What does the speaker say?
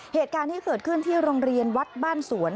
เหตุการณ์ที่เกิดขึ้นที่โรงเรียนวัดบ้านสวน